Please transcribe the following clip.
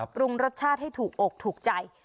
ปรุงรสชาติให้ถูกอกถูกใจ